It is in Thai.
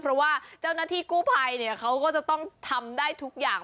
เพราะว่าเจ้าหน้าที่กู้ภัยเขาก็จะต้องทำได้ทุกอย่าง